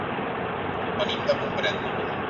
Venim de Gombrèn.